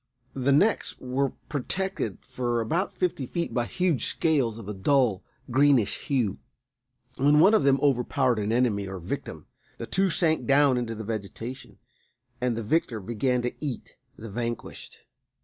The necks were protected for about fifty feet by huge scales of a dull, greenish hue. When one of them had overpowered an enemy or a victim the two sank down into the vegetation, and the victor began to eat the vanquished.